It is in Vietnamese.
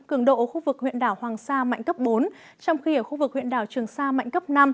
cường độ ở khu vực huyện đảo hoàng sa mạnh cấp bốn trong khi ở khu vực huyện đảo trường sa mạnh cấp năm